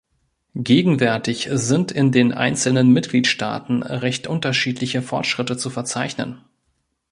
Gegenwärtig sind in den einzelnen Mitgliedstaaten recht unterschiedliche Fortschritte zu verzeichnen.